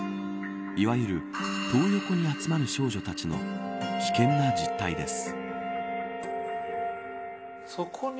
いわゆるトー横に集まる少女たちの危険な実態です。